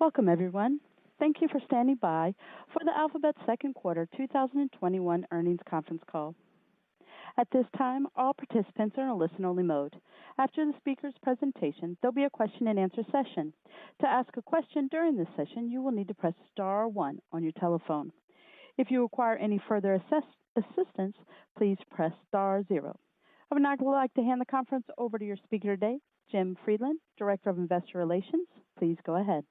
Welcome, everyone. Thank you for standing by for Alphabet's second quarter 2021 earnings conference call. At this time, all participants are in a listen-only mode. After the speaker's presentation, there'll be a question-and-answer session. To ask a question during this session, you will need to press star one on your telephone. If you require any further assistance, please press star zero. I would now like to hand the conference over to your speaker today, Jim Friedland, Director of Investor Relations. Please go ahead.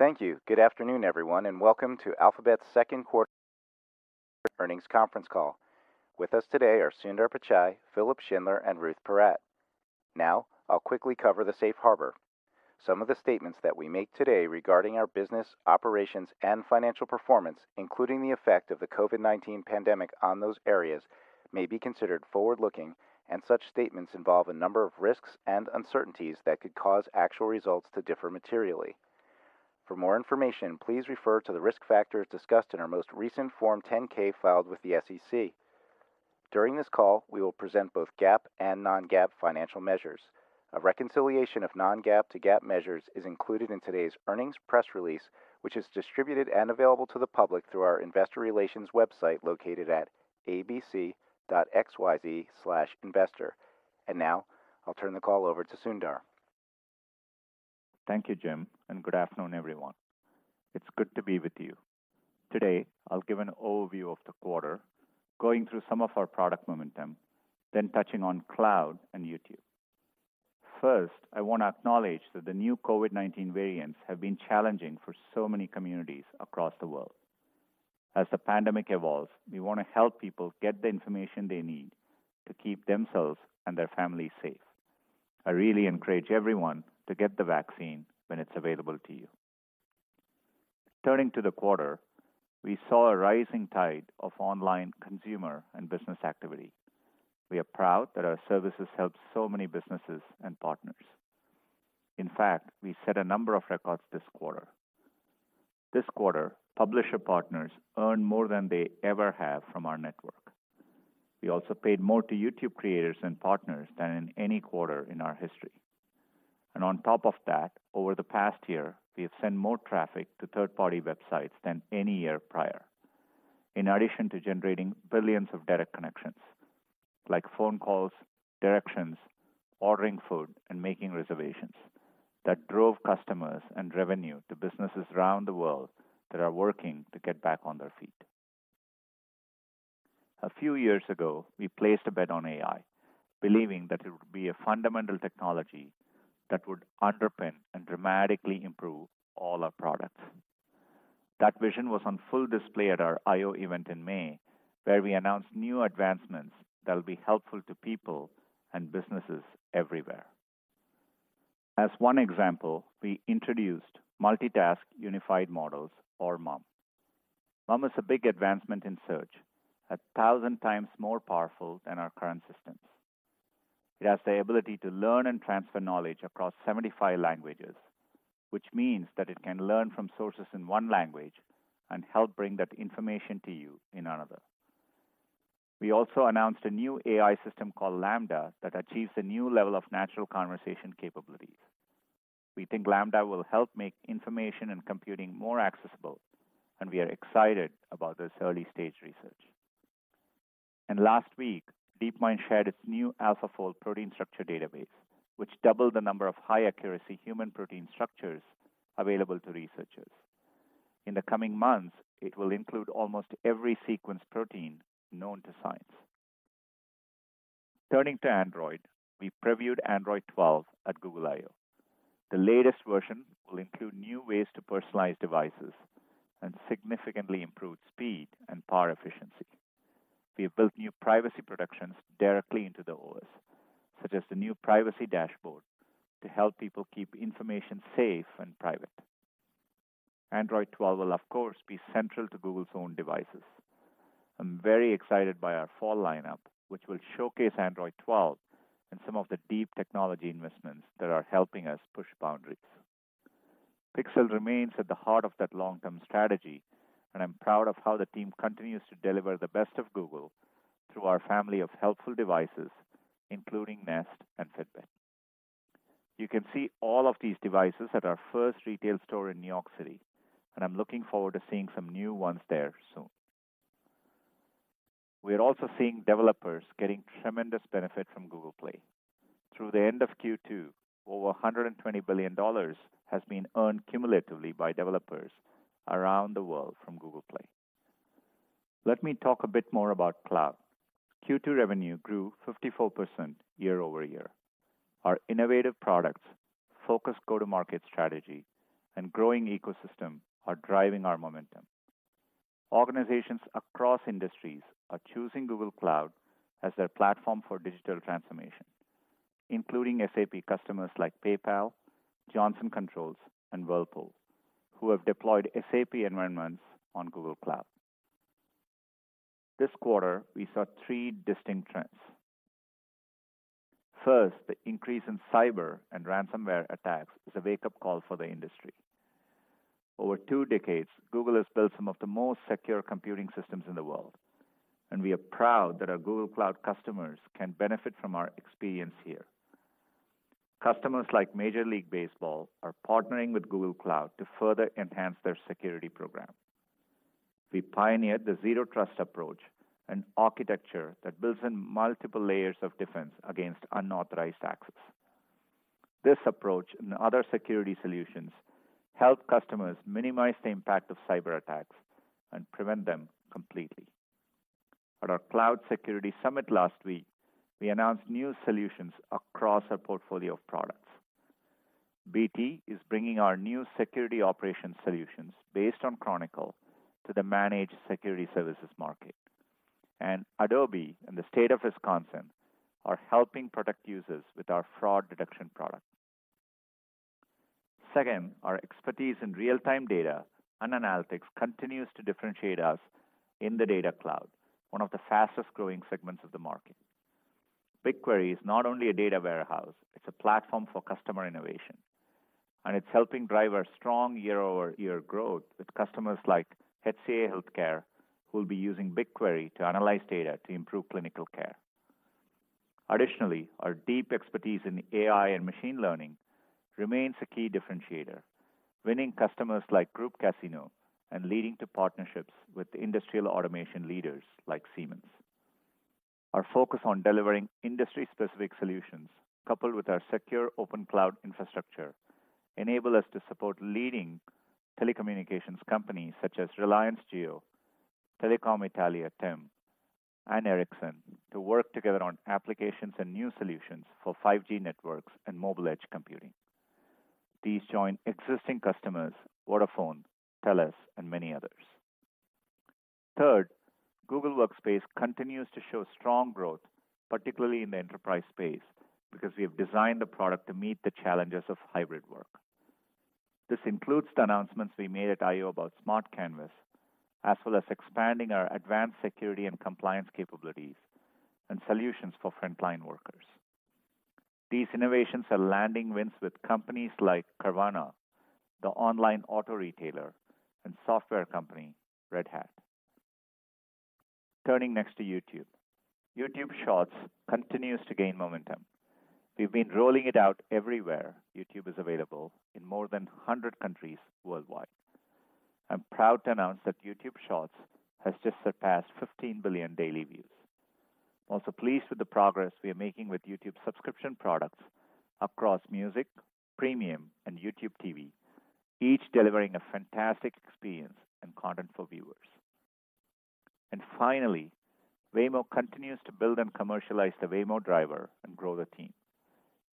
Thank you. Good afternoon, everyone, and welcome to Alphabet's second quarter earnings conference call. With us today are Sundar Pichai, Philipp Schindler, and Ruth Porat. Now, I'll quickly cover the safe harbor. Some of the statements that we make today regarding our business, operations, and financial performance, including the effect of the COVID-19 pandemic on those areas, may be considered forward-looking, and such statements involve a number of risks and uncertainties that could cause actual results to differ materially. For more information, please refer to the risk factors discussed in our most recent Form 10-K filed with the SEC. During this call, we will present both GAAP and non-GAAP financial measures. A reconciliation of non-GAAP to GAAP measures is included in today's earnings press release, which is distributed and available to the public through our investor relations website located at abc.xyz/investor. And now, I'll turn the call over to Sundar. Thank you, Jim, and good afternoon, everyone. It's good to be with you. Today, I'll give an overview of the quarter, going through some of our product momentum, then touching on Cloud and YouTube. First, I want to acknowledge that the new COVID-19 variants have been challenging for so many communities across the world. As the pandemic evolves, we want to help people get the information they need to keep themselves and their families safe. I really encourage everyone to get the vaccine when it's available to you. Turning to the quarter, we saw a rising tide of online consumer and business activity. We are proud that our services help so many businesses and partners. In fact, we set a number of records this quarter. This quarter, publisher partners earned more than they ever have from our network. We also paid more to YouTube creators and partners than in any quarter in our history. And on top of that, over the past year, we have sent more traffic to third-party websites than any year prior, in addition to generating billions of direct connections, like phone calls, directions, ordering food, and making reservations, that drove customers and revenue to businesses around the world that are working to get back on their feet. A few years ago, we placed a bet on AI, believing that it would be a fundamental technology that would underpin and dramatically improve all our products. That vision was on full display at our I/O event in May, where we announced new advancements that will be helpful to people and businesses everywhere. As one example, we introduced Multitask Unified Models, or MUM. MUM is a big advancement in search, a thousand times more powerful than our current systems. It has the ability to learn and transfer knowledge across 75 languages, which means that it can learn from sources in one language and help bring that information to you in another. We also announced a new AI system called LaMDA that achieves a new level of natural conversation capabilities. We think LaMDA will help make information and computing more accessible, and we are excited about this early-stage research. And last week, DeepMind shared its new AlphaFold protein structure database, which doubled the number of high-accuracy human protein structures available to researchers. In the coming months, it will include almost every sequence protein known to science. Turning to Android, we previewed Android 12 at Google I/O. The latest version will include new ways to personalize devices and significantly improve speed and power efficiency. We have built new privacy protections directly into the OS, such as the new Privacy Dashboard, to help people keep information safe and private. Android 12 will, of course, be central to Google's own devices. I'm very excited by our fall lineup, which will showcase Android 12 and some of the deep technology investments that are helping us push boundaries. Pixel remains at the heart of that long-term strategy, and I'm proud of how the team continues to deliver the best of Google through our family of helpful devices, including Nest and Fitbit. You can see all of these devices at our first retail store in New York City, and I'm looking forward to seeing some new ones there soon. We are also seeing developers getting tremendous benefit from Google Play. Through the end of Q2, over $120 billion has been earned cumulatively by developers around the world from Google Play. Let me talk a bit more about Cloud. Q2 revenue grew 54% year-over-year. Our innovative products, focused go-to-market strategy, and growing ecosystem are driving our momentum. Organizations across industries are choosing Google Cloud as their platform for digital transformation, including SAP customers like PayPal, Johnson Controls, and Whirlpool, who have deployed SAP environments on Google Cloud. This quarter, we saw three distinct trends. First, the increase in cyber and ransomware attacks is a wake-up call for the industry. Over two decades, Google has built some of the most secure computing systems in the world, and we are proud that our Google Cloud customers can benefit from our experience here. Customers like Major League Baseball are partnering with Google Cloud to further enhance their security program. We pioneered the Zero Trust approach, an architecture that builds in multiple layers of defense against unauthorized access. This approach and other security solutions help customers minimize the impact of cyber attacks and prevent them completely. At our Cloud Security Summit last week, we announced new solutions across our portfolio of products. BT is bringing our new security operations solutions based on Chronicle to the managed security services market. And Adobe and the state of Wisconsin are helping protect users with our fraud detection product. Second, our expertise in real-time data and analytics continues to differentiate us in the data cloud, one of the fastest-growing segments of the market. BigQuery is not only a data warehouse. It's a platform for customer innovation. And it's helping drive our strong year-over-year growth with customers like HCA Healthcare, who will be using BigQuery to analyze data to improve clinical care. Additionally, our deep expertise in AI and machine learning remains a key differentiator, winning customers like Groupe Casino and leading to partnerships with industrial automation leaders like Siemens. Our focus on delivering industry-specific solutions, coupled with our secure open cloud infrastructure, enables us to support leading telecommunications companies such as Reliance Jio, Telecom Italia, TIM, and Ericsson to work together on applications and new solutions for 5G networks and mobile edge computing. These join existing customers, Vodafone, TELUS, and many others. Third, Google Workspace continues to show strong growth, particularly in the enterprise space, because we have designed the product to meet the challenges of hybrid work. This includes the announcements we made at I/O about Smart Canvas, as well as expanding our advanced security and compliance capabilities and solutions for frontline workers. These innovations are landing wins with companies like Carvana, the online auto retailer, and software company Red Hat. Turning next to YouTube, YouTube Shorts continues to gain momentum. We've been rolling it out everywhere YouTube is available in more than 100 countries worldwide. I'm proud to announce that YouTube Shorts has just surpassed 15 billion daily views. I'm also pleased with the progress we are making with YouTube subscription products across Music, Premium, and YouTube TV, each delivering a fantastic experience and content for viewers, and finally, Waymo continues to build and commercialize the Waymo Driver and grow the team.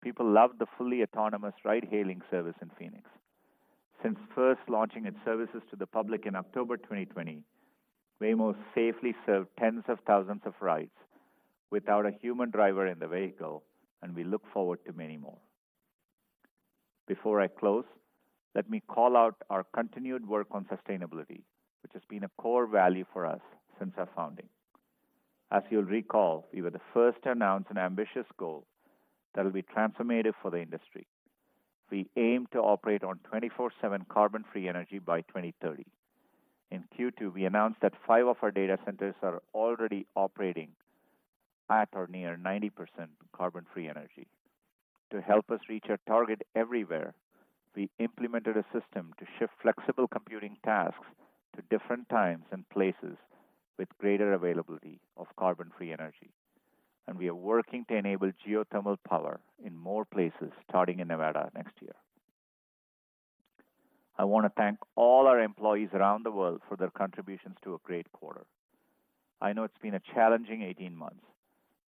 People love the fully autonomous ride-hailing service in Phoenix. Since first launching its services to the public in October 2020, Waymo has safely served tens of thousands of rides without a human driver in the vehicle, and we look forward to many more. Before I close, let me call out our continued work on sustainability, which has been a core value for us since our founding. As you'll recall, we were the first to announce an ambitious goal that will be transformative for the industry. We aim to operate on 24/7 carbon-free energy by 2030. In Q2, we announced that five of our data centers are already operating at or near 90% carbon-free energy. To help us reach our target everywhere, we implemented a system to shift flexible computing tasks to different times and places with greater availability of carbon-free energy. And we are working to enable geothermal power in more places, starting in Nevada next year. I want to thank all our employees around the world for their contributions to a great quarter. I know it's been a challenging 18 months.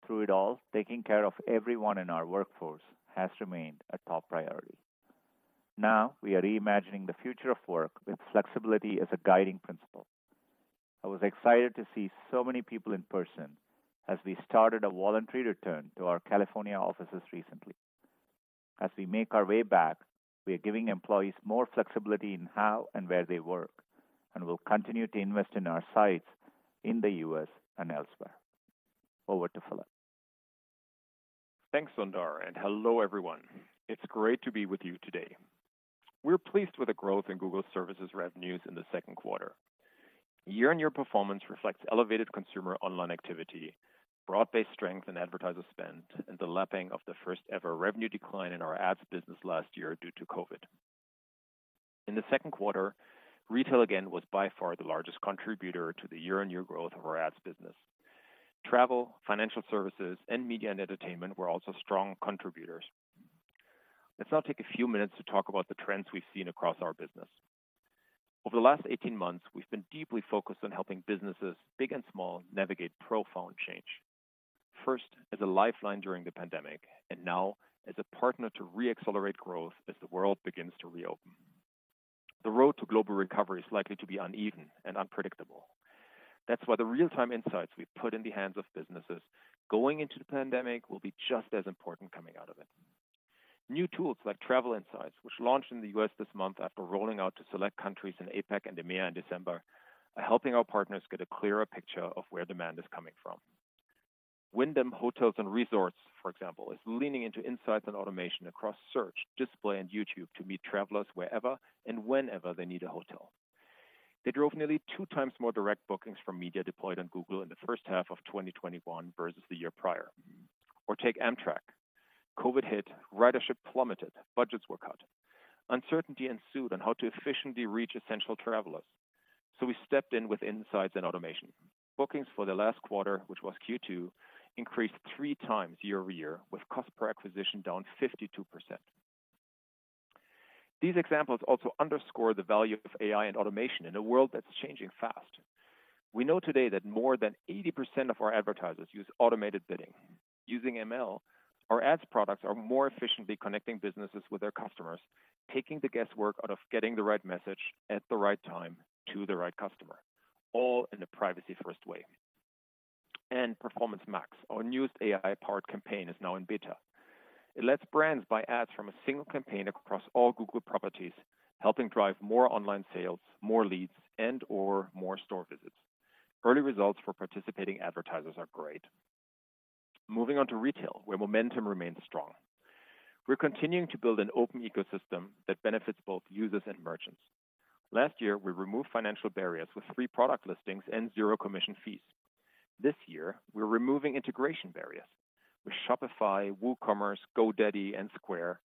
Through it all, taking care of everyone in our workforce has remained a top priority. Now, we are reimagining the future of work with flexibility as a guiding principle. I was excited to see so many people in person as we started a voluntary return to our California offices recently. As we make our way back, we are giving employees more flexibility in how and where they work, and we'll continue to invest in our sites in the U.S. and elsewhere. Over to Philipp. Thanks, Sundar, and hello, everyone. It's great to be with you today. We're pleased with the growth in Google Services revenues in the second quarter. Year-on-year performance reflects elevated consumer online activity, broad-based strength in advertiser spend, and the lapping of the first-ever revenue decline in our ads business last year due to COVID. In the second quarter, retail again was by far the largest contributor to the year-on-year growth of our ads business. Travel, financial services, and media and entertainment were also strong contributors. Let's now take a few minutes to talk about the trends we've seen across our business. Over the last 18 months, we've been deeply focused on helping businesses, big and small, navigate profound change. First, as a lifeline during the pandemic, and now as a partner to re-accelerate growth as the world begins to reopen. The road to global recovery is likely to be uneven and unpredictable. That's why the real-time insights we've put in the hands of businesses going into the pandemic will be just as important coming out of it. New tools like Travel Insights, which launched in the U.S. this month after rolling out to select countries in APEC and EMEA in December, are helping our partners get a clearer picture of where demand is coming from. Wyndham Hotels and Resorts, for example, is leaning into insights and automation across search, display, and YouTube to meet travelers wherever and whenever they need a hotel. They drove nearly two times more direct bookings from media deployed on Google in the first half of 2021 versus the year prior. Or take Amtrak. COVID hit. Ridership plummeted. Budgets were cut. Uncertainty ensued on how to efficiently reach essential travelers. So we stepped in with insights and automation. Bookings for the last quarter, which was Q2, increased three times year-over-year, with cost per acquisition down 52%. These examples also underscore the value of AI and automation in a world that's changing fast. We know today that more than 80% of our advertisers use automated bidding. Using ML, our ads products are more efficiently connecting businesses with their customers, taking the guesswork out of getting the right message at the right time to the right customer, all in a privacy-first way, and Performance Max, our newest AI-powered campaign, is now in beta. It lets brands buy ads from a single campaign across all Google properties, helping drive more online sales, more leads, and/or more store visits. Early results for participating advertisers are great. Moving on to retail, where momentum remains strong. We're continuing to build an open ecosystem that benefits both users and merchants. Last year, we removed financial barriers with free product listings and zero commission fees. This year, we're removing integration barriers. With Shopify, WooCommerce, GoDaddy, and Square,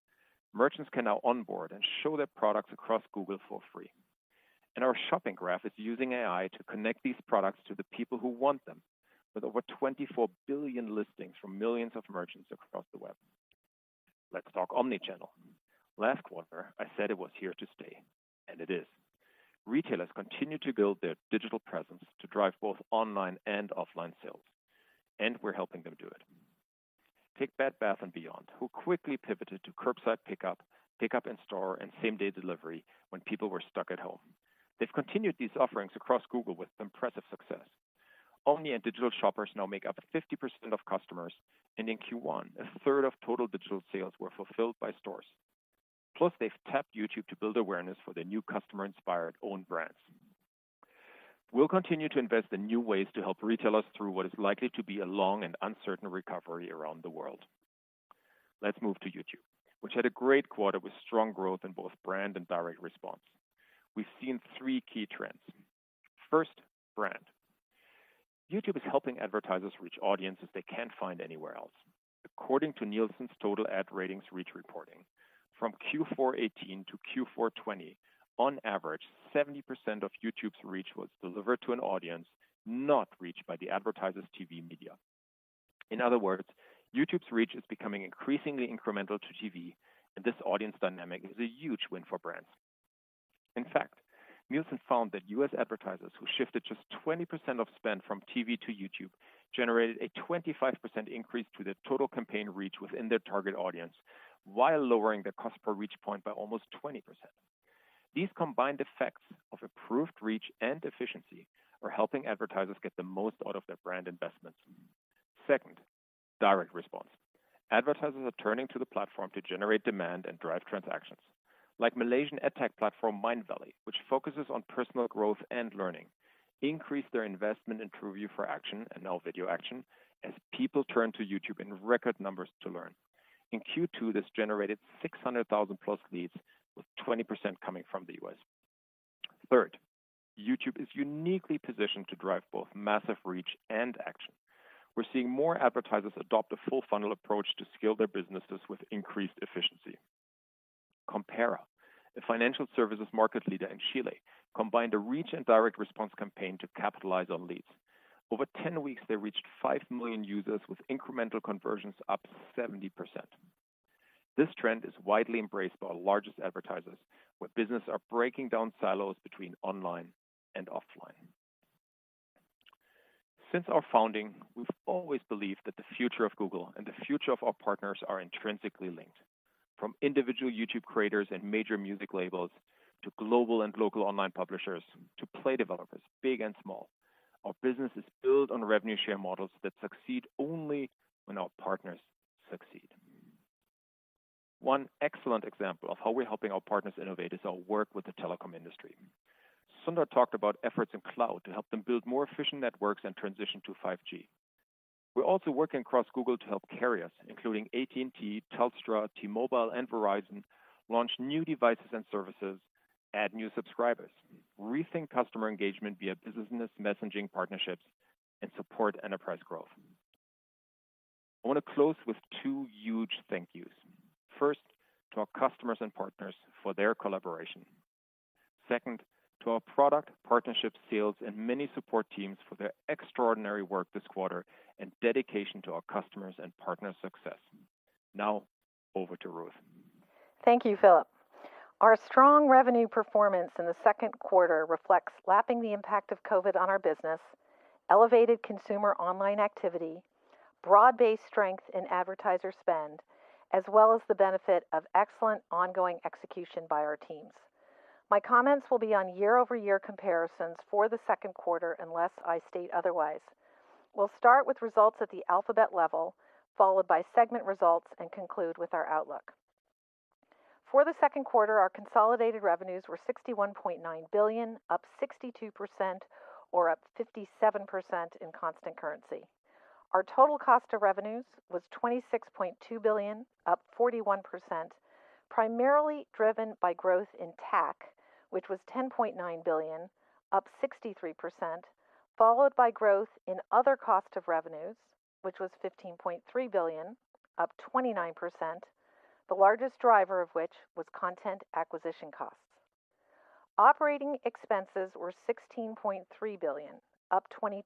merchants can now onboard and show their products across Google for free, and our Shopping Graph is using AI to connect these products to the people who want them, with over 24 billion listings from millions of merchants across the web. Let's talk omnichannel. Last quarter, I said it was here to stay, and it is. Retailers continue to build their digital presence to drive both online and offline sales, and we're helping them do it. Take Bed Bath & Beyond, who quickly pivoted to curbside pickup, pickup in store, and same-day delivery when people were stuck at home. They've continued these offerings across Google with impressive success. Omni and digital shoppers now make up 50% of customers, and in Q1, a third of total digital sales were fulfilled by stores. Plus, they've tapped YouTube to build awareness for their new customer-inspired own brands. We'll continue to invest in new ways to help retailers through what is likely to be a long and uncertain recovery around the world. Let's move to YouTube, which had a great quarter with strong growth in both brand and direct response. We've seen three key trends. First, brand. YouTube is helping advertisers reach audiences they can't find anywhere else. According to Nielsen's Total Ad ratings reach reporting, from Q4 2018 to Q4 2020, on average, 70% of YouTube's reach was delivered to an audience not reached by the advertisers' TV media. In other words, YouTube's reach is becoming increasingly incremental to TV, and this audience dynamic is a huge win for brands. In fact, Nielsen found that U.S. advertisers who shifted just 20% of spend from TV to YouTube generated a 25% increase to their total campaign reach within their target audience while lowering their cost per reach point by almost 20%. These combined effects of improved reach and efficiency are helping advertisers get the most out of their brand investments. Second, direct response. Advertisers are turning to the platform to generate demand and drive transactions. Like Malaysian edtech platform Mindvalley, which focuses on personal growth and learning, increased their investment in TrueView for Action, and now Video Action, as people turn to YouTube in record numbers to learn. In Q2, this generated 600,000+ leads, with 20% coming from the U.S. Third, YouTube is uniquely positioned to drive both massive reach and action. We're seeing more advertisers adopt a full-funnel approach to scale their businesses with increased efficiency. Compara, a financial services market leader in Chile, combined a reach and direct response campaign to capitalize on leads. Over 10 weeks, they reached 5 million users with incremental conversions up 70%. This trend is widely embraced by our largest advertisers, where businesses are breaking down silos between online and offline. Since our founding, we've always believed that the future of Google and the future of our partners are intrinsically linked. From individual YouTube creators and major music labels to global and local online publishers to Play developers, big and small, our business is built on revenue share models that succeed only when our partners succeed. One excellent example of how we're helping our partners innovate is our work with the telecom industry. Sundar talked about efforts in Cloud to help them build more efficient networks and transition to 5G. We're also working across Google to help carriers, including AT&T, Telstra, T-Mobile, and Verizon, launch new devices and services, add new subscribers, rethink customer engagement via business messaging partnerships, and support enterprise growth. I want to close with two huge thank yous. First, to our customers and partners for their collaboration. Second, to our product, partnership, sales, and many support teams for their extraordinary work this quarter and dedication to our customers and partners' success. Now, over to Ruth. Thank you, Philipp. Our strong revenue performance in the second quarter reflects lapping the impact of COVID on our business, elevated consumer online activity, broad-based strength in advertiser spend, as well as the benefit of excellent ongoing execution by our teams. My comments will be on year-over-year comparisons for the second quarter, unless I state otherwise. We'll start with results at the Alphabet level, followed by segment results, and conclude with our outlook. For the second quarter, our consolidated revenues were $61.9 billion, up 62%, or up 57% in constant currency. Our total cost of revenues was $26.2 billion, up 41%, primarily driven by growth in TAC, which was $10.9 billion, up 63%, followed by growth in other cost of revenues, which was $15.3 billion, up 29%, the largest driver of which was content acquisition costs. Operating expenses were $16.3 billion, up 22%.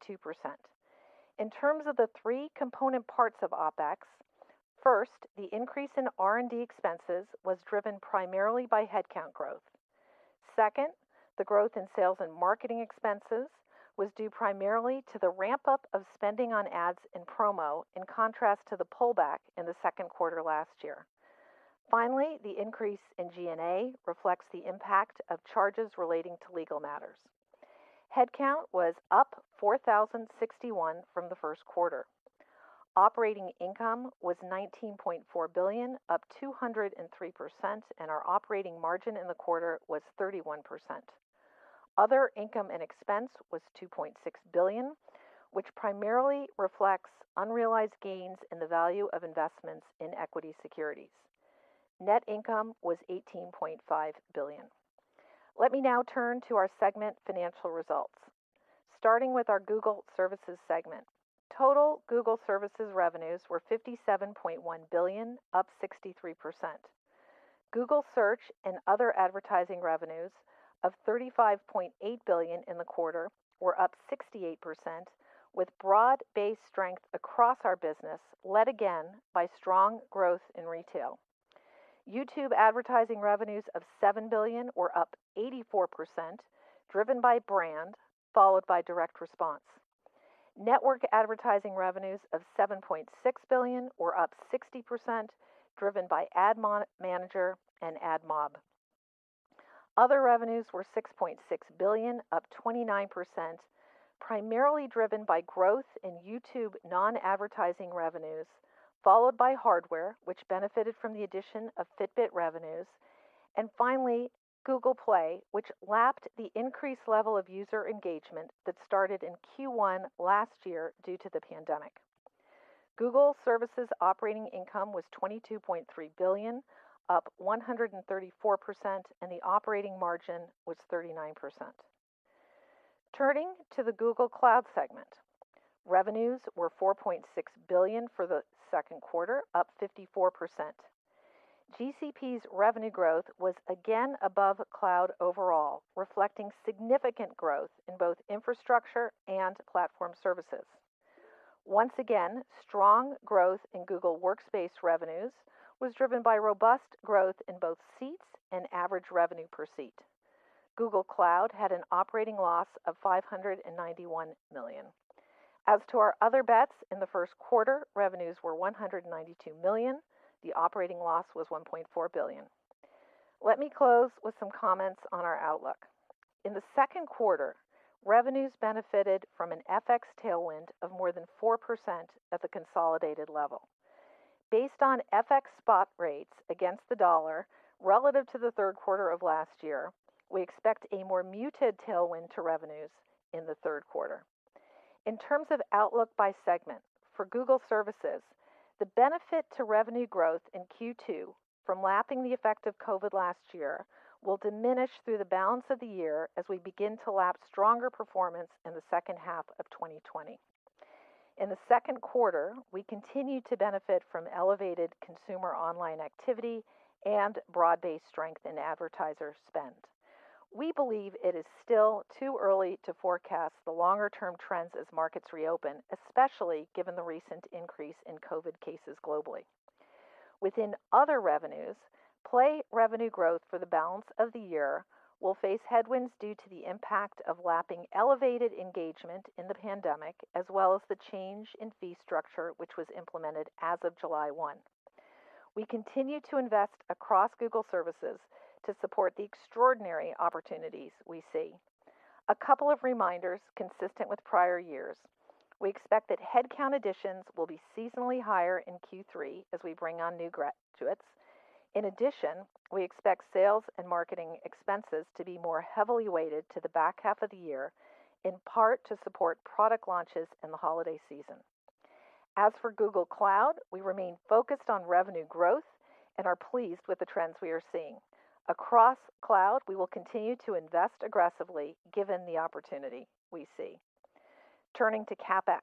In terms of the three component parts of OpEx, first, the increase in R&D expenses was driven primarily by headcount growth. Second, the growth in sales and marketing expenses was due primarily to the ramp-up of spending on ads and promo in contrast to the pullback in the second quarter last year. Finally, the increase in G&A reflects the impact of charges relating to legal matters. Headcount was up 4,061 from the first quarter. Operating income was $19.4 billion, up 203%, and our operating margin in the quarter was 31%. Other income and expense was $2.6 billion, which primarily reflects unrealized gains in the value of investments in equity securities. Net income was $18.5 billion. Let me now turn to our segment financial results. Starting with our Google Services segment, total Google Services revenues were $57.1 billion, up 63%. Google Search and other advertising revenues of $35.8 billion in the quarter were up 68%, with broad-based strength across our business led again by strong growth in retail. YouTube advertising revenues of $7 billion were up 84%, driven by brand, followed by direct response. Network advertising revenues of $7.6 billion were up 60%, driven by Ad Manager and AdMob. Other revenues were $6.6 billion, up 29%, primarily driven by growth in YouTube non-advertising revenues, followed by hardware, which benefited from the addition of Fitbit revenues. And finally, Google Play, which lapped the increased level of user engagement that started in Q1 last year due to the pandemic. Google Services operating income was $22.3 billion, up 134%, and the operating margin was 39%. Turning to the Google Cloud segment, revenues were $4.6 billion for the second quarter, up 54%. GCP's revenue growth was again above Cloud overall, reflecting significant growth in both infrastructure and platform services. Once again, strong growth in Google Workspace revenues was driven by robust growth in both seats and average revenue per seat. Google Cloud had an operating loss of $591 million. As to our Other Bets, in the first quarter, revenues were $192 million. The operating loss was $1.4 billion. Let me close with some comments on our outlook. In the second quarter, revenues benefited from an FX tailwind of more than 4% at the consolidated level. Based on FX spot rates against the dollar relative to the third quarter of last year, we expect a more muted tailwind to revenues in the third quarter. In terms of outlook by segment, for Google Services, the benefit to revenue growth in Q2 from lapping the effect of COVID last year will diminish through the balance of the year as we begin to lap stronger performance in the second half of 2020. In the second quarter, we continue to benefit from elevated consumer online activity and broad-based strength in advertiser spend. We believe it is still too early to forecast the longer-term trends as markets reopen, especially given the recent increase in COVID cases globally. Within other revenues, Play revenue growth for the balance of the year will face headwinds due to the impact of lapping elevated engagement in the pandemic, as well as the change in fee structure, which was implemented as of July 1. We continue to invest across Google Services to support the extraordinary opportunities we see. A couple of reminders consistent with prior years. We expect that headcount additions will be seasonally higher in Q3 as we bring on new graduates. In addition, we expect sales and marketing expenses to be more heavily weighted to the back half of the year, in part to support product launches in the holiday season. As for Google Cloud, we remain focused on revenue growth and are pleased with the trends we are seeing. Across Cloud, we will continue to invest aggressively given the opportunity we see. Turning to CapEx,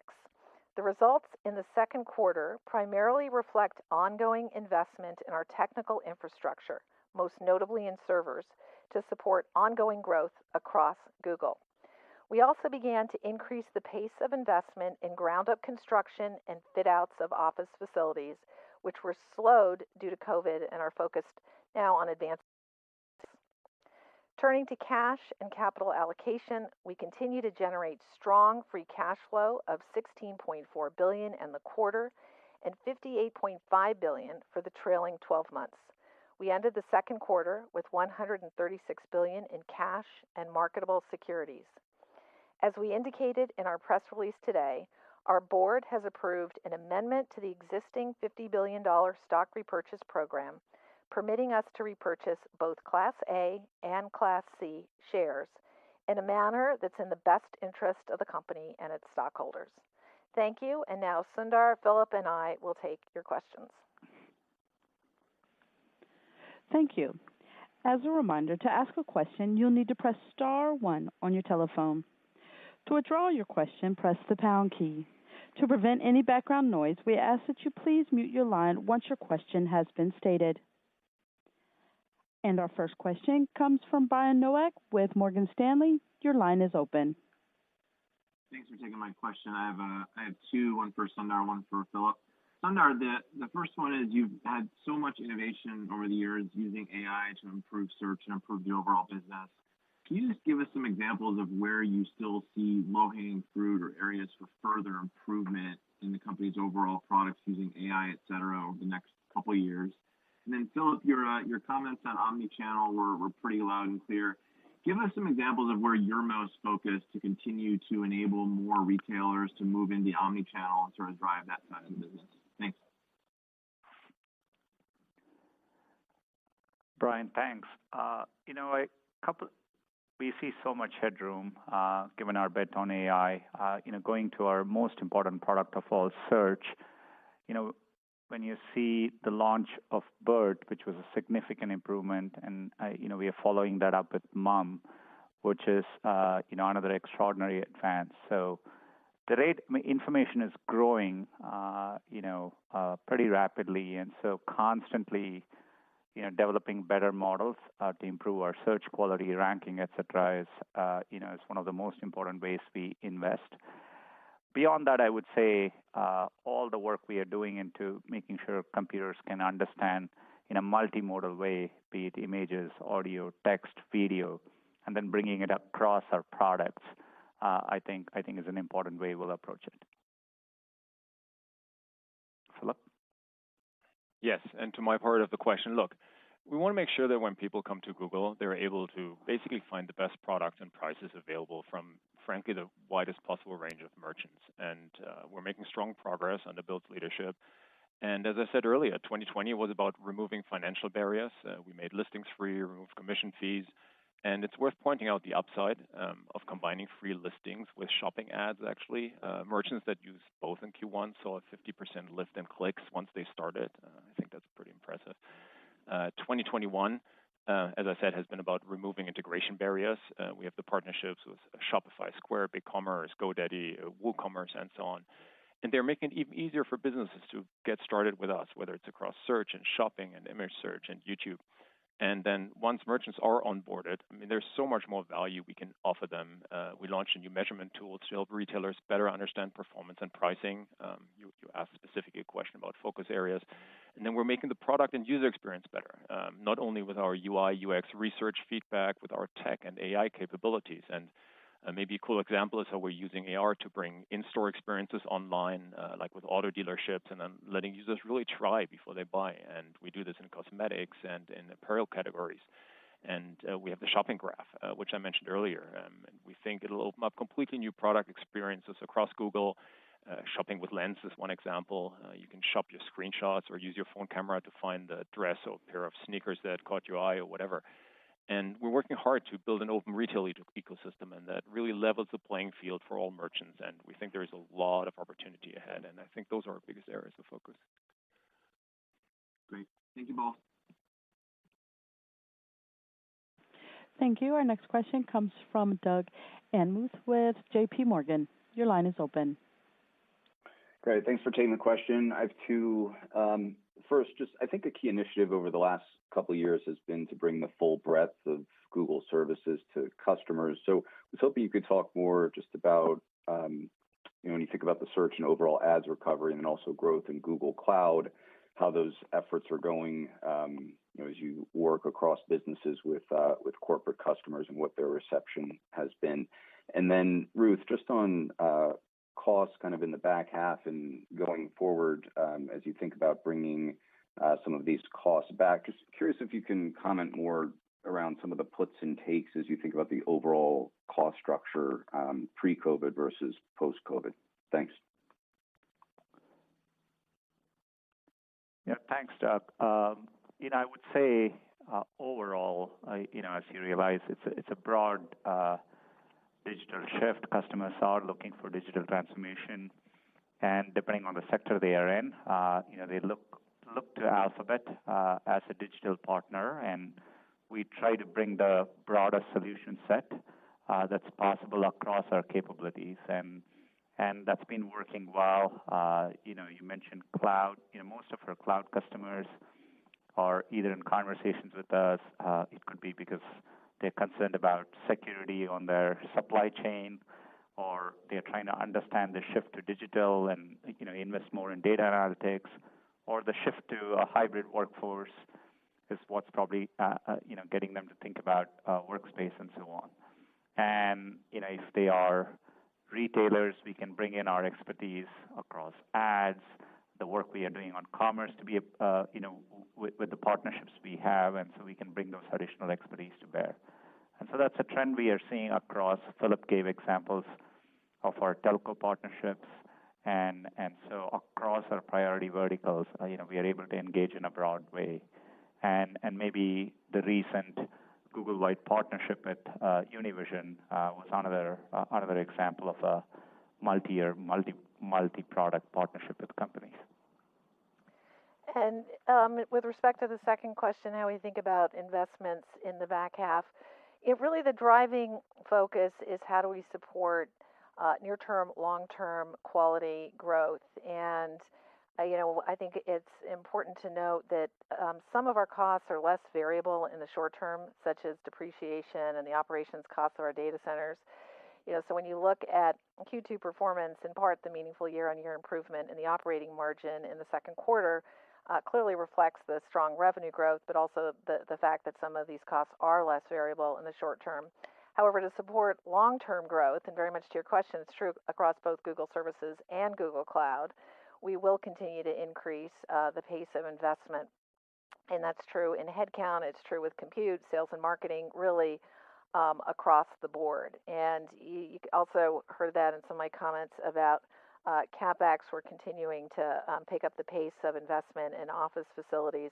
the results in the second quarter primarily reflect ongoing investment in our technical infrastructure, most notably in servers, to support ongoing growth across Google. We also began to increase the pace of investment in ground-up construction and fit-outs of office facilities, which were slowed due to COVID and are focused now on advanced. Turning to cash and capital allocation, we continue to generate strong free cash flow of $16.4 billion in the quarter and $58.5 billion for the trailing 12 months. We ended the second quarter with $136 billion in cash and marketable securities. As we indicated in our press release today, our board has approved an amendment to the existing $50 billion stock repurchase program, permitting us to repurchase both Class A and Class C shares in a manner that's in the best interest of the company and its stockholders. Thank you. And now, Sundar, Philipp, and I will take your questions. Thank you. As a reminder, to ask a question, you'll need to press star one on your telephone. To withdraw your question, press the pound key. To prevent any background noise, we ask that you please mute your line once your question has been stated. And our first question comes from Brian Nowak with Morgan Stanley. Your line is open. Thanks for taking my question. I have two. One for Sundar, one for Philipp. Sundar, the first one is you've had so much innovation over the years using AI to improve search and improve the overall business. Can you just give us some examples of where you still see low-hanging fruit or areas for further improvement in the company's overall products using AI, etc., over the next couple of years? And then, Philipp, your comments on omnichannel were pretty loud and clear. Give us some examples of where you're most focused to continue to enable more retailers to move into omnichannel and sort of drive that side of the business. Thanks. Brian, thanks. We see so much headroom given our bet on AI. Going to our most important product of all, search, when you see the launch of BERT, which was a significant improvement, and we are following that up with MUM, which is another extraordinary advance. So the information is growing pretty rapidly and so constantly developing better models to improve our search quality, ranking, etc., is one of the most important ways we invest. Beyond that, I would say all the work we are doing into making sure computers can understand in a multimodal way, be it images, audio, text, video, and then bringing it across our products, I think is an important way we'll approach it. Philipp? Yes. And to my part of the question, look, we want to make sure that when people come to Google, they're able to basically find the best product and prices available from, frankly, the widest possible range of merchants. And we're making strong progress on the bold leadership. And as I said earlier, 2020 was about removing financial barriers. We made listings free, removed commission fees. And it's worth pointing out the upside of combining free listings with shopping ads, actually. Merchants that use both in Q1 saw a 50% lift in clicks once they started. I think that's pretty impressive. 2021, as I said, has been about removing integration barriers. We have the partnerships with Shopify, Square, BigCommerce, GoDaddy, WooCommerce, and so on. And they're making it even easier for businesses to get started with us, whether it's across search and shopping and image search and YouTube. And then once merchants are onboarded, I mean, there's so much more value we can offer them. We launched a new measurement tool to help retailers better understand performance and pricing. You asked specifically a question about focus areas. And then we're making the product and user experience better, not only with our UI/UX research feedback, with our tech and AI capabilities. And maybe a cool example is how we're using AR to bring in-store experiences online, like with auto dealerships, and then letting users really try before they buy. And we do this in cosmetics and in apparel categories. And we have the Shopping Graph, which I mentioned earlier. We think it'll open up completely new product experiences across Google Shopping with Lens is one example. You can shop your screenshots or use your phone camera to find the dress or a pair of sneakers that caught your eye or whatever. And we're working hard to build an open retail ecosystem, and that really levels the playing field for all merchants. And we think there is a lot of opportunity ahead. And I think those are our biggest areas of focus. Great. Thank you both. Thank you. Our next question comes from Doug Anmuth with JPMorgan. Your line is open. Great. Thanks for taking the question. I have two. First, just I think a key initiative over the last couple of years has been to bring the full breadth of Google Services to customers. So I was hoping you could talk more just about when you think about the search and overall ads recovery and then also growth in Google Cloud, how those efforts are going as you work across businesses with corporate customers and what their reception has been. And then, Ruth, just on cost kind of in the back half and going forward as you think about bringing some of these costs back, just curious if you can comment more around some of the puts and takes as you think about the overall cost structure pre-COVID versus post-COVID. Thanks. Yeah. Thanks, Doug. I would say overall, as you realize, it's a broad digital shift. Customers are looking for digital transformation, and depending on the sector they are in, they look to Alphabet as a digital partner. And we try to bring the broader solution set that's possible across our capabilities. And that's been working well. You mentioned Cloud. Most of our Cloud customers are either in conversations with us. It could be because they're concerned about security on their supply chain, or they're trying to understand the shift to digital and invest more in data analytics, or the shift to a hybrid workforce is what's probably getting them to think about workspace and so on. If they are retailers, we can bring in our expertise across ads, the work we are doing on commerce with the partnerships we have, and so we can bring those additional expertise to bear. That's a trend we are seeing across. Philipp gave examples of our telco partnerships. Across our priority verticals, we are able to engage in a broad way. Maybe the recent Google-wide partnership with Univision was another example of a multi-year, multi-product partnership with companies. And with respect to the second question, how we think about investments in the back half, really the driving focus is how do we support near-term, long-term quality growth. And I think it's important to note that some of our costs are less variable in the short term, such as depreciation and the operations costs of our data centers. So when you look at Q2 performance, in part, the meaningful year-on-year improvement in the operating margin in the second quarter clearly reflects the strong revenue growth, but also the fact that some of these costs are less variable in the short term. However, to support long-term growth, and very much to your question, it's true across both Google Services and Google Cloud, we will continue to increase the pace of investment. And that's true in headcount. It's true with compute, sales, and marketing, really across the board. And you also heard that in some of my comments about CapEx. We're continuing to pick up the pace of investment in office facilities.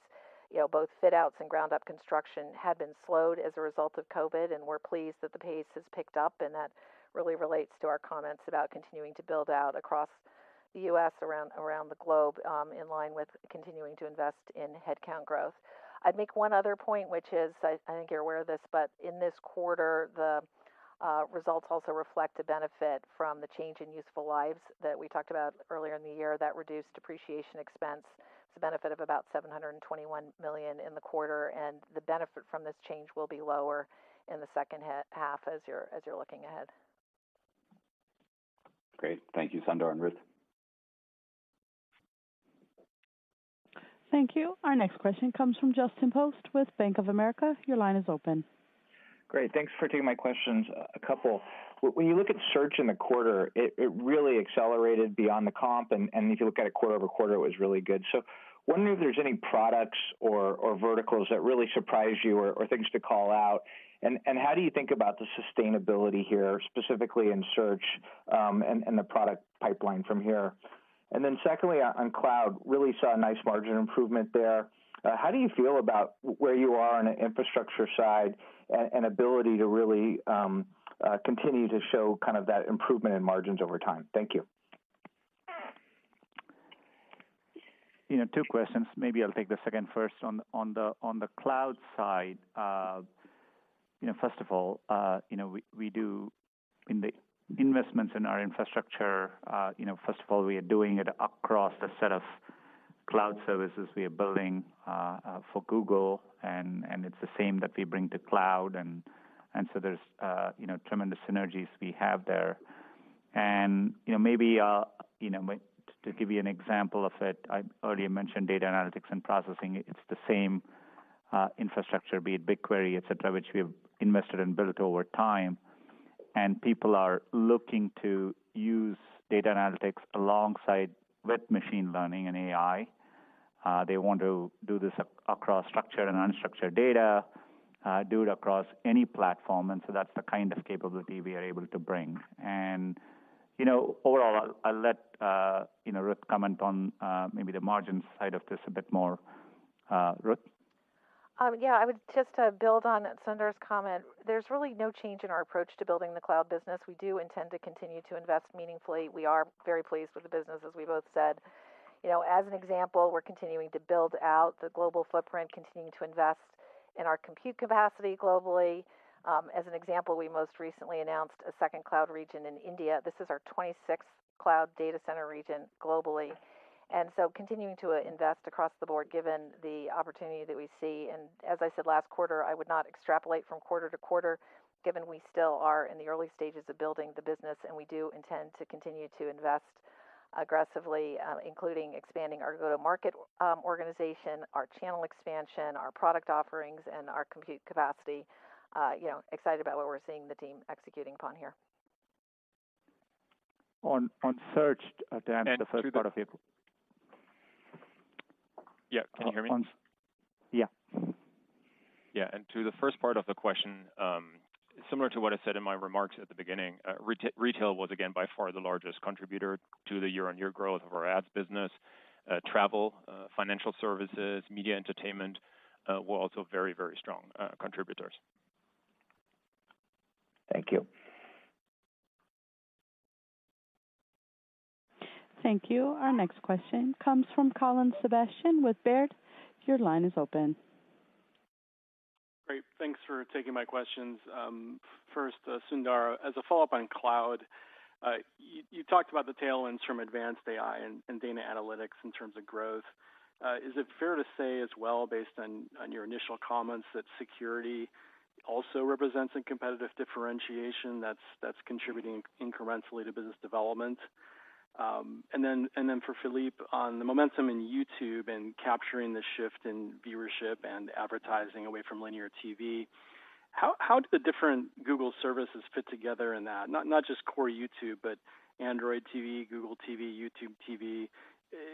Both fit-outs and ground-up construction have been slowed as a result of COVID. And we're pleased that the pace has picked up, and that really relates to our comments about continuing to build out across the U.S., around the globe, in line with continuing to invest in headcount growth. I'd make one other point, which is, I think you're aware of this, but in this quarter, the results also reflect a benefit from the change in useful lives that we talked about earlier in the year that reduced depreciation expense. It's a benefit of about $721 million in the quarter. And the benefit from this change will be lower in the second half as you're looking ahead. Great. Thank you, Sundar and Ruth. Thank you. Our next question comes from Justin Post with Bank of America. Your line is open. Great. Thanks for taking my questions. A couple. When you look at Search in the quarter, it really accelerated beyond the comp. And if you look at it quarter over quarter, it was really good. So wondering if there's any products or verticals that really surprised you or things to call out. And how do you think about the sustainability here, specifically in Search and the product pipeline from here? And then secondly, on Cloud, really saw a nice margin improvement there. How do you feel about where you are on the infrastructure side and ability to really continue to show kind of that improvement in margins over time? Thank you. Two questions. Maybe I'll take the second first. On the Cloud side, first of all, we do investments in our infrastructure. First of all, we are doing it across a set of Cloud services we are building for Google. And it's the same that we bring to Cloud. And so there's tremendous synergies we have there. And maybe to give you an example of it, I already mentioned data analytics and processing. It's the same infrastructure, be it BigQuery, etc., which we have invested and built over time. And people are looking to use data analytics alongside with machine learning and AI. They want to do this across structured and unstructured data, do it across any platform. And so that's the kind of capability we are able to bring. And overall, I'll let Ruth comment on maybe the margin side of this a bit more. Ruth? Yeah. I would just build on Sundar's comment. There's really no change in our approach to building the Cloud business. We do intend to continue to invest meaningfully. We are very pleased with the business, as we both said. As an example, we're continuing to build out the global footprint, continuing to invest in our compute capacity globally. As an example, we most recently announced a second Cloud region in India. This is our 26th Cloud data center region globally. And so continuing to invest across the board, given the opportunity that we see. And as I said last quarter, I would not extrapolate from quarter to quarter, given we still are in the early stages of building the business. And we do intend to continue to invest aggressively, including expanding our go-to-market organization, our channel expansion, our product offerings, and our compute capacity. Excited about what we're seeing the team executing upon here. On search, the first part of your. Yeah. Can you hear me? Yeah. Yeah, and to the first part of the question, similar to what I said in my remarks at the beginning, retail was, again, by far the largest contributor to the year-on-year growth of our ads business. Travel, financial services, media, entertainment were also very, very strong contributors. Thank you. Thank you. Our next question comes from Colin Sebastian with Baird. Your line is open. Great. Thanks for taking my questions. First, Sundar, as a follow-up on Cloud, you talked about the tailwinds from advanced AI and data analytics in terms of growth. Is it fair to say as well, based on your initial comments, that security also represents a competitive differentiation that's contributing incrementally to business development? And then for Philipp, on the momentum in YouTube and capturing the shift in viewership and advertising away from linear TV, how do the different Google services fit together in that? Not just core YouTube, but Android TV, Google TV, YouTube TV.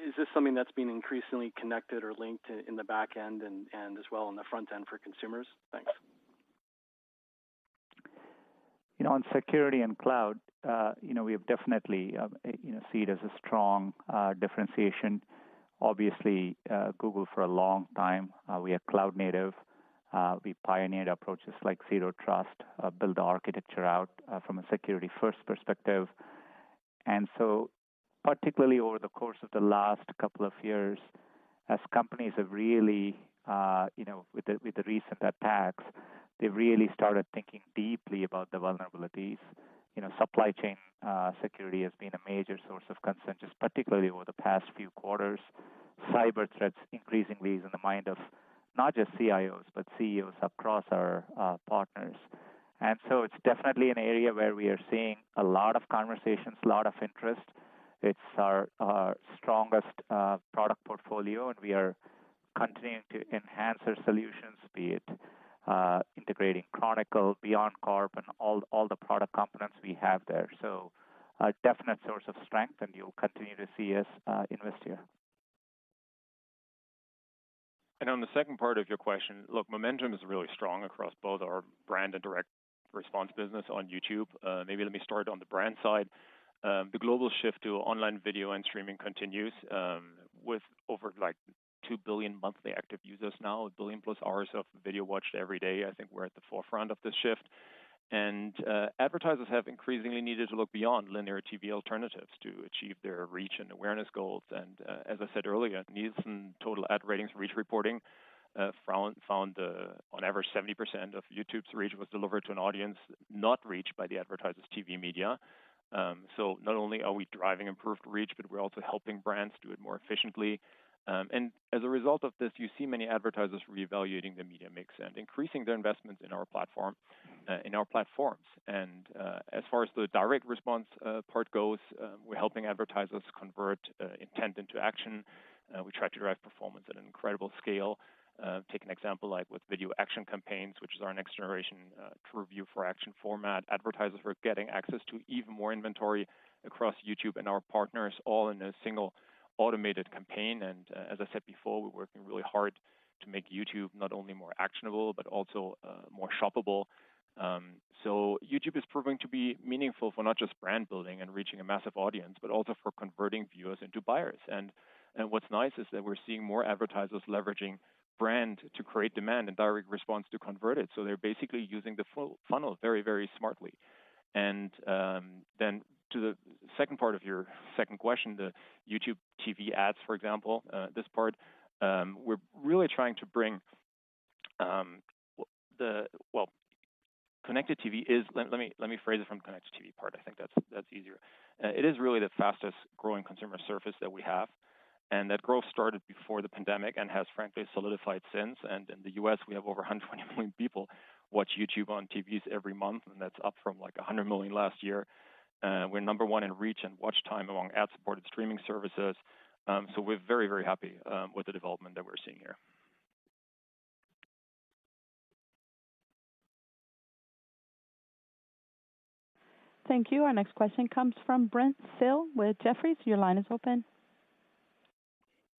Is this something that's been increasingly connected or linked in the back end and as well on the front end for consumers? Thanks. On security and Cloud, we definitely see it as a strong differentiation. Obviously, Google for a long time, we are Cloud-native. We pioneered approaches like zero trust, built the architecture out from a security-first perspective. And so particularly over the course of the last couple of years, as companies have really, with the recent attacks, they've really started thinking deeply about the vulnerabilities. Supply chain security has been a major source of concern, just particularly over the past few quarters. Cyber threats increasingly is in the mind of not just CIOs, but CEOs across our partners. And so it's definitely an area where we are seeing a lot of conversations, a lot of interest. It's our strongest product portfolio, and we are continuing to enhance our solutions, be it integrating Chronicle, BeyondCorp, and all the product components we have there. A definite source of strength, and you'll continue to see us invest here. On the second part of your question, look, momentum is really strong across both our brand and direct response business on YouTube. Maybe let me start on the brand side. The global shift to online video and streaming continues with over like 2 billion monthly active users now, a billion+ hours of video watched every day. I think we're at the forefront of this shift. Advertisers have increasingly needed to look beyond linear TV alternatives to achieve their reach and awareness goals. As I said earlier, Nielsen Total Ad Ratings reach reporting found on average 70% of YouTube's reach was delivered to an audience not reached by the advertisers' TV media. So not only are we driving improved reach, but we're also helping brands do it more efficiently. As a result of this, you see many advertisers reevaluating their media mix and increasing their investments in our platforms. As far as the direct response part goes, we're helping advertisers convert intent into action. We try to drive performance at an incredible scale. Take an example like with Video action campaigns, which is our next-generation TrueView for Action format. Advertisers are getting access to even more inventory across YouTube and our partners, all in a single automated campaign. As I said before, we're working really hard to make YouTube not only more actionable, but also more shoppable. YouTube is proving to be meaningful for not just brand building and reaching a massive audience, but also for converting viewers into buyers. What's nice is that we're seeing more advertisers leveraging brand to create demand and direct response to convert it. So they're basically using the funnel very, very smartly. And then to the second part of your second question, the YouTube TV ads, for example, this part, we're really trying to bring the, well, connected TV is, let me phrase it from the connected TV part. I think that's easier. It is really the fastest growing consumer surface that we have. And that growth started before the pandemic and has, frankly, solidified since. And in the U.S., we have over 120 million people watch YouTube on TVs every month, and that's up from like 100 million last year. We're number one in reach and watch time among ad-supported streaming services. So we're very, very happy with the development that we're seeing here. Thank you. Our next question comes from Brent Thill with Jefferies. Your line is open.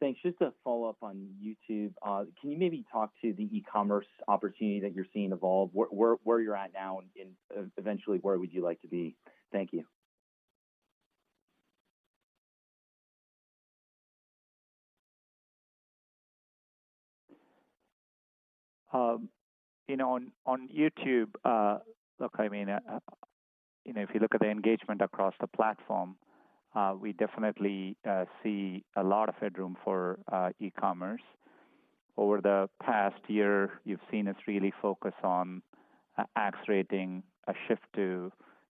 Thanks. Just a follow-up on YouTube. Can you maybe talk to the e-commerce opportunity that you're seeing evolve? Where you're at now, and eventually, where would you like to be? Thank you. On YouTube, look, I mean, if you look at the engagement across the platform, we definitely see a lot of headroom for e-commerce. Over the past year, you've seen us really focus on accelerating a shift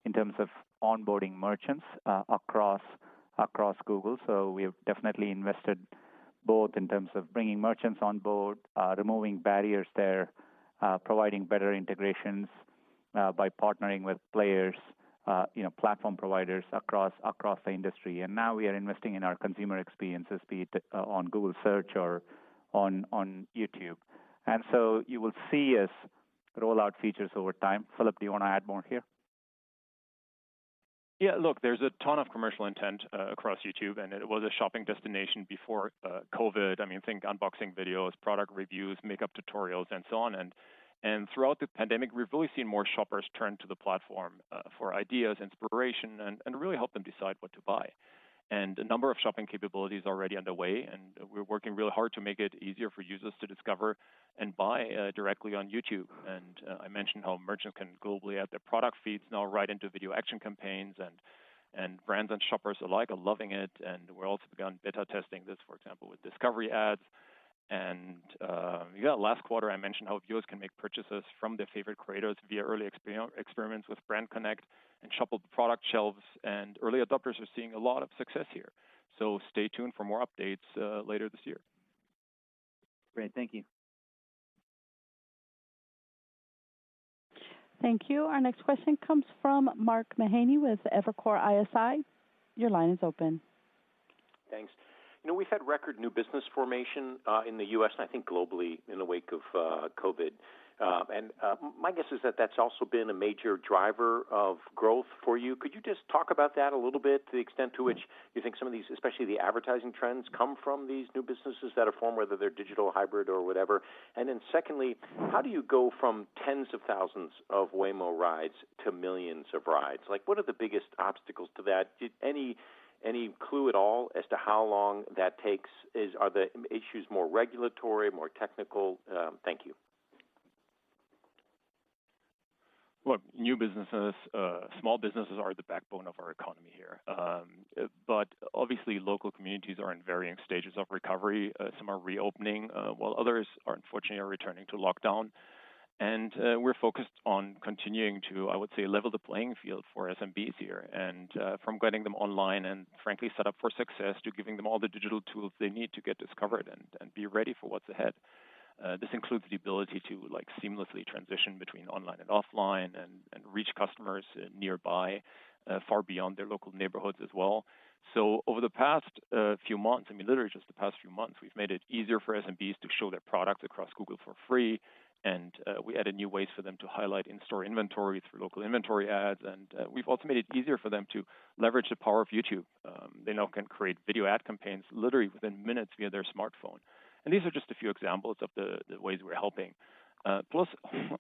in terms of onboarding merchants across Google, so we have definitely invested both in terms of bringing merchants on board, removing barriers there, providing better integrations by partnering with players, platform providers across the industry, and now we are investing in our consumer experiences, be it on Google Search or on YouTube, and so you will see us roll out features over time. Philipp, do you want to add more here? Yeah. Look, there's a ton of commercial intent across YouTube. And it was a shopping destination before COVID. I mean, think unboxing videos, product reviews, makeup tutorials, and so on. And throughout the pandemic, we've really seen more shoppers turn to the platform for ideas, inspiration, and really help them decide what to buy. And a number of shopping capabilities are already underway. And we're working really hard to make it easier for users to discover and buy directly on YouTube. And I mentioned how merchants can globally add their product feeds now right into Video action campaigns. And brands and shoppers alike are loving it. And we've also begun beta testing this, for example, with Discovery ads. And yeah, last quarter, I mentioned how viewers can make purchases from their favorite creators via early experiments with BrandConnect and shoppable product shelves. Early adopters are seeing a lot of success here. Stay tuned for more updates later this year. Great. Thank you. Thank you. Our next question comes from Mark Mahaney with Evercore ISI. Your line is open. Thanks. We've had record new business formation in the U.S., and I think globally in the wake of COVID. And my guess is that that's also been a major driver of growth for you. Could you just talk about that a little bit, the extent to which you think some of these, especially the advertising trends, come from these new businesses that are formed, whether they're digital, hybrid, or whatever? And then secondly, how do you go from tens of thousands of Waymo rides to millions of rides? What are the biggest obstacles to that? Any clue at all as to how long that takes? Are the issues more regulatory, more technical? Thank you. Look, new businesses, small businesses are the backbone of our economy here. But obviously, local communities are in varying stages of recovery. Some are reopening, while others, unfortunately, are returning to lockdown. And we're focused on continuing to, I would say, level the playing field for SMBs here. And from getting them online and, frankly, set up for success to giving them all the digital tools they need to get discovered and be ready for what's ahead. This includes the ability to seamlessly transition between online and offline and reach customers nearby, far beyond their local neighborhoods as well. So over the past few months, I mean, literally just the past few months, we've made it easier for SMBs to show their products across Google for free. And we added new ways for them to highlight in-store inventory through local inventory ads. And we've also made it easier for them to leverage the power of YouTube. They now can create video ad campaigns literally within minutes via their smartphone. And these are just a few examples of the ways we're helping. Plus,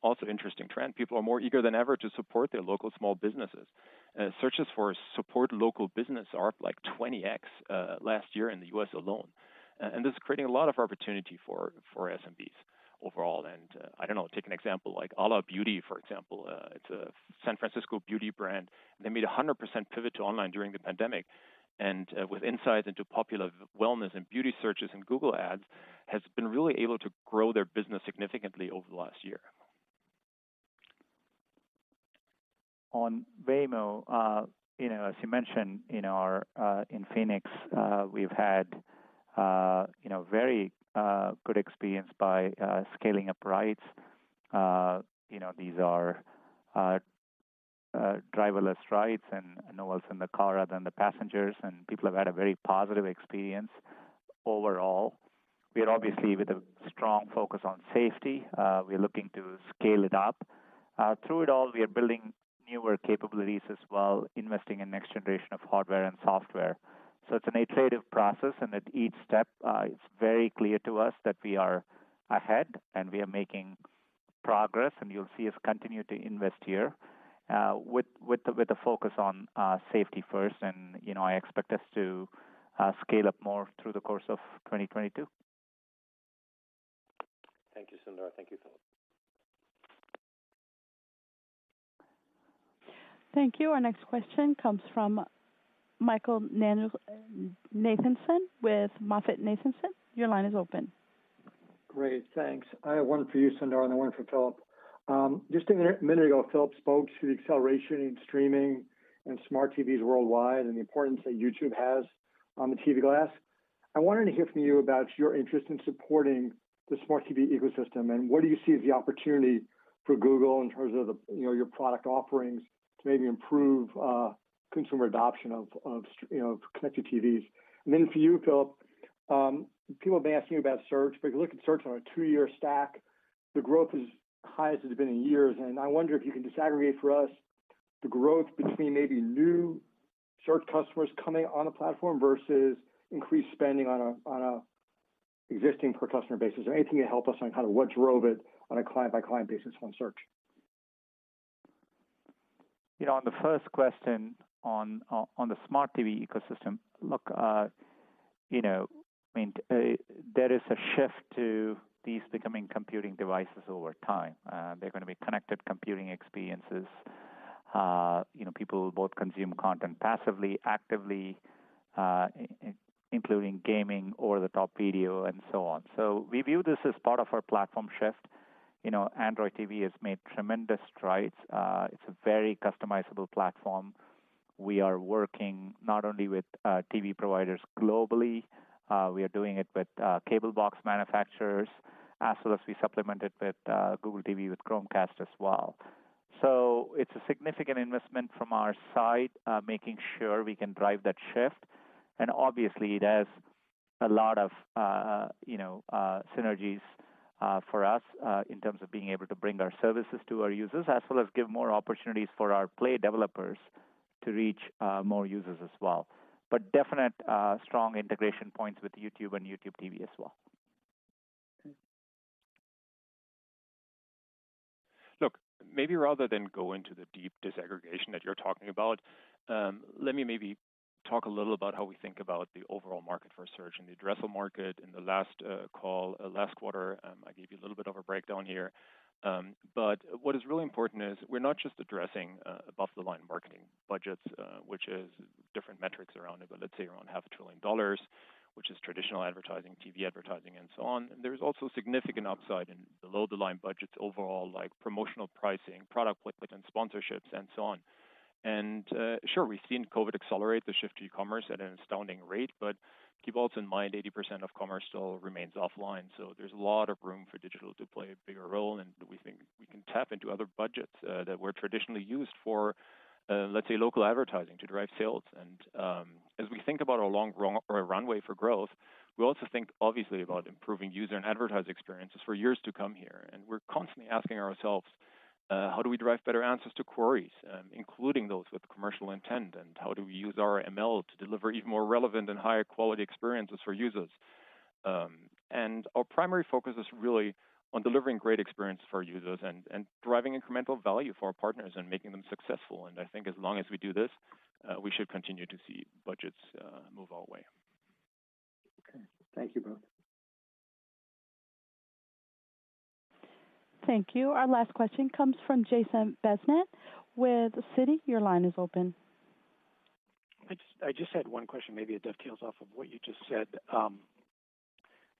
also interesting trend, people are more eager than ever to support their local small businesses. Searches for support local business are up like 20x last year in the U.S. alone. And this is creating a lot of opportunity for SMBs overall. And I don't know, take an example like Ala Beauté, for example. It's a San Francisco beauty brand. They made a 100% pivot to online during the pandemic. And with insights into popular wellness and beauty searches and Google Ads, they have been really able to grow their business significantly over the last year. On Waymo, as you mentioned, in Phoenix, we've had a very good experience by scaling up rides. These are driverless rides and no one's in the car other than the passengers. And people have had a very positive experience overall. We're obviously with a strong focus on safety. We're looking to scale it up. Through it all, we are building newer capabilities as well, investing in next-generation of hardware and software. So it's an iterative process. And at each step, it's very clear to us that we are ahead and we are making progress. And you'll see us continue to invest here with a focus on safety first. And I expect us to scale up more through the course of 2022. Thank you, Sundar. Thank you, Philipp. Thank you. Our next question comes from Michael Nathanson with MoffettNathanson. Your line is open. Great. Thanks. I have one for you, Sundar, and one for Philipp. Just a minute ago, Philipp spoke to the acceleration in streaming and smart TVs worldwide and the importance that YouTube has on the TV glass. I wanted to hear from you about your interest in supporting the smart TV ecosystem. And what do you see as the opportunity for Google in terms of your product offerings to maybe improve consumer adoption of connected TVs? And then for you, Philipp, people have been asking you about search. But if you look at search on a two-year stack, the growth is high as it's been in years. And I wonder if you can disaggregate for us the growth between maybe new search customers coming on the platform versus increased spending on an existing per-customer basis. Is there anything you can help us on kind of what drove it on a client-by-client basis on search? On the first question on the smart TV ecosystem, look, I mean, there is a shift to these becoming computing devices over time. They're going to be connected computing experiences. People will both consume content passively, actively, including gaming, over-the-top video, and so on, so we view this as part of our platform shift. Android TV has made tremendous strides. It's a very customizable platform. We are working not only with TV providers globally, we are doing it with cable box manufacturers, as well as we supplement it with Google TV with Chromecast as well, so it's a significant investment from our side making sure we can drive that shift, and obviously, it has a lot of synergies for us in terms of being able to bring our services to our users, as well as give more opportunities for our Play developers to reach more users as well. But definite strong integration points with YouTube and YouTube TV as well. Look, maybe rather than go into the deep disaggregation that you're talking about, let me maybe talk a little about how we think about the overall market for search and the addressable market. In the last call, last quarter, I gave you a little bit of a breakdown here. But what is really important is we're not just addressing above-the-line marketing budgets, which is different metrics around, let's say, around $500 billion, which is traditional advertising, TV advertising, and so on. And there is also significant upside in below-the-line budgets overall, like promotional pricing, product placement, and sponsorships, and so on. And sure, we've seen COVID accelerate the shift to e-commerce at an astounding rate. But keep also in mind, 80% of commerce still remains offline. So there's a lot of room for digital to play a bigger role. And we think we can tap into other budgets that were traditionally used for, let's say, local advertising to drive sales. And as we think about our long runway for growth, we also think, obviously, about improving user and advertiser experiences for years to come here. And we're constantly asking ourselves, how do we drive better answers to queries, including those with commercial intent? And how do we use our ML to deliver even more relevant and higher quality experiences for users? And our primary focus is really on delivering great experiences for users and driving incremental value for our partners and making them successful. And I think as long as we do this, we should continue to see budgets move our way. Okay. Thank you both. Thank you. Our last question comes from Jason Bazinet with Citi. Your line is open. I just had one question, maybe it dovetails off of what you just said.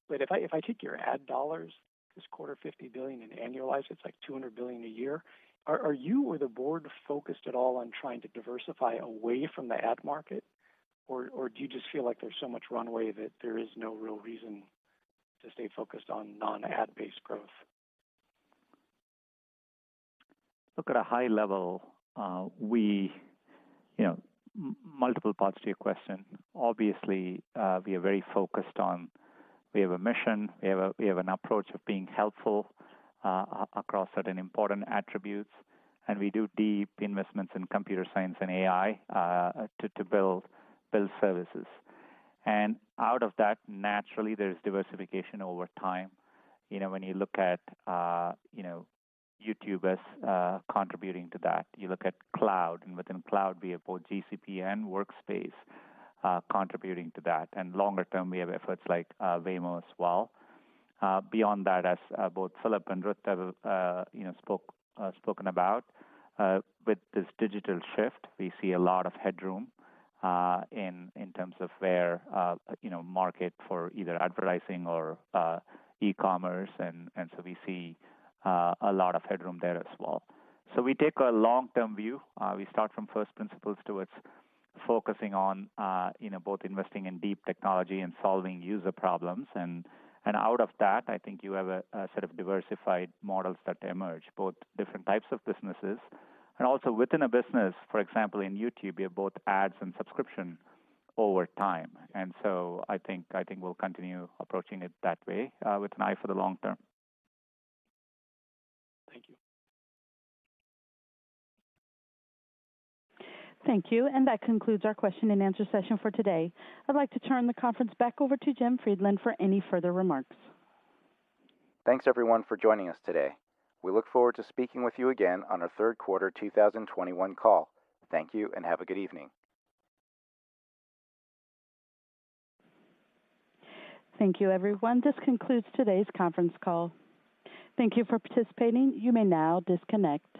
But if I take your ad dollars, this quarter, $50 billion, and annualize it, it's like $200 billion a year. Are you or the board focused at all on trying to diversify away from the ad market? Or do you just feel like there's so much runway that there is no real reason to stay focused on non-ad-based growth? Look, at a high level, multiple parts to your question. Obviously, we are very focused on we have a mission. We have an approach of being helpful across certain important attributes. And we do deep investments in computer science and AI to build services. And out of that, naturally, there is diversification over time. When you look at YouTube as contributing to that, you look at Cloud. And within Cloud, we have both GCP and Workspace contributing to that. And longer term, we have efforts like Waymo as well. Beyond that, as both Philipp and Ruth have spoken about, with this digital shift, we see a lot of headroom in terms of their market for either advertising or e-commerce. And so we see a lot of headroom there as well. So we take a long-term view. We start from first principles towards focusing on both investing in deep technology and solving user problems. And out of that, I think you have a set of diversified models that emerge, both different types of businesses. And also within a business, for example, in YouTube, you have both ads and subscription over time. And so I think we'll continue approaching it that way with an eye for the long term. Thank you. Thank you. And that concludes our question and answer session for today. I'd like to turn the conference back over to Jim Friedland for any further remarks. Thanks, everyone, for joining us today. We look forward to speaking with you again on our third quarter 2021 call. Thank you, and have a good evening. Thank you, everyone. This concludes today's conference call. Thank you for participating. You may now disconnect.